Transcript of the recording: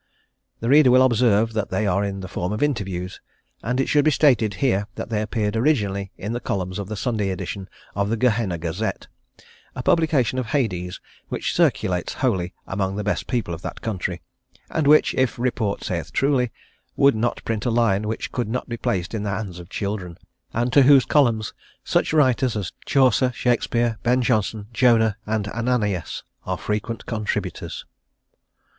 The reader will observe that they are in the form of interviews, and it should be stated here that they appeared originally in the columns of the Sunday edition of the Gehenna Gazette, a publication of Hades which circulates wholly among the best people of that country, and which, if report saith truly, would not print a line which could not be placed in the hands of children, and to whose columns such writers as Chaucer, Shakespeare, Ben Jonson, Jonah and Ananias are frequent contributors.